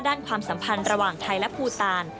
ความสัมพันธ์ระหว่างไทยและภูตาน